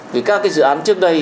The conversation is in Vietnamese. vì các cái dự án trước đây